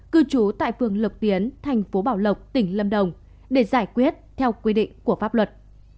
cư trú tại phường lộc tiến thành phố bảo lộc tỉnh lâm đồng để giải quyết theo quy định của pháp luật